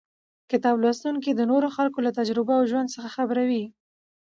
کتاب لوستونکی د نورو خلکو له تجربو او ژوند څخه خبروي.